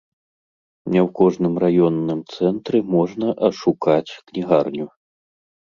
Не ў кожным раённым цэнтры можна адшукаць кнігарню.